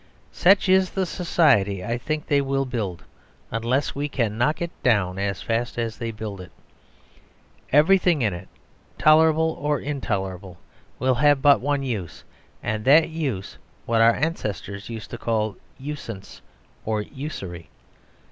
Such is the society I think they will build unless we can knock it down as fast as they build it. Everything in it, tolerable or intolerable, will have but one use; and that use what our ancestors used to call usance or usury.